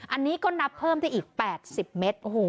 อันนี้ก็นับเพิ่มได้อีก๘๐เมตร